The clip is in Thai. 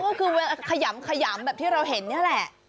อ๋อก็คือขยำแบบที่เราเห็นเนี่ยแหละ